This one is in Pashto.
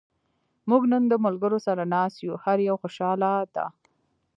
موږ نن د ملګرو سره ناست یو. هر یو خوشحاله دا.